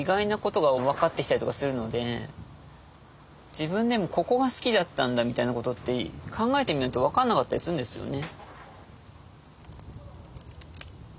自分でも「ここが好きだったんだ」みたいなことって考えてみると分かんなかったりするんですよね。